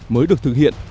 mới được thực hiện